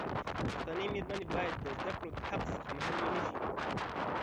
پښتنې مېرمنې باید د زدکړو دحق څخه محرومي نشي.